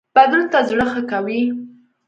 بدلون ته زړه ښه کوي